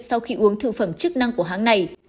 sau khi uống thực phẩm chức năng của hãng này